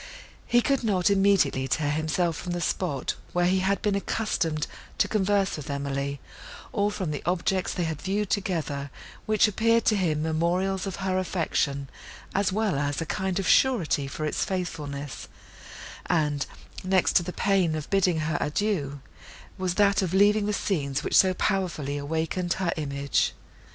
He could not immediately tear himself from the spot, where he had been accustomed to converse with Emily, or from the objects they had viewed together, which appeared to him memorials of her affection, as well as a kind of surety for its faithfulness; and, next to the pain of bidding her adieu, was that of leaving the scenes which so powerfully awakened her image.